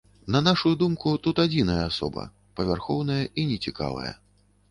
На нашую думку, тут адзіная асоба, павярхоўная і нецікавая.